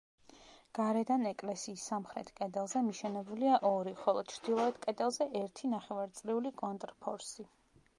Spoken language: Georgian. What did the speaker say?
გარედან ეკლესიის სამხრეთ კედელზე მიშენებულია ორი, ხოლო ჩრდილოეთ კედელზე ერთი ნახევარწრიული კონტრფორსი.